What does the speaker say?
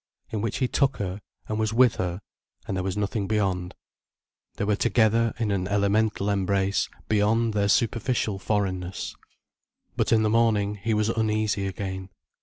In which he took her and was with her and there was nothing beyond, they were together in an elemental embrace beyond their superficial foreignness. But in the morning he was uneasy again.